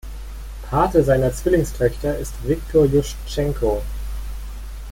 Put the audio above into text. Pate seiner Zwillingstöchter ist Wiktor Juschtschenko.